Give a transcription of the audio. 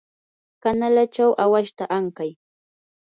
kanalachaw awashta ankay.